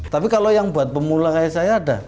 tapi kalau yang buat pemula kayak saya ada